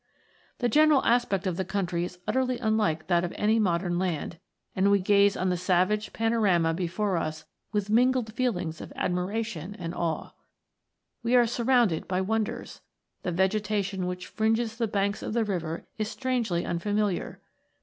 The general aspect of the country is utterly un like that of any modern land, and we gaze on the savage panorama before us with mingled feelings of admiration and awe. We are surrounded by wonders. The vegetation which fringes the banks of the river is strangely unfamiliar.